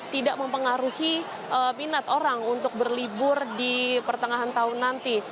tidak mempengaruhi minat orang untuk berlibur di pertengahan tahun nanti